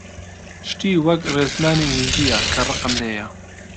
شتی وەک ڕێزمانی ئینگلیزییە کە ڕقم لێیە!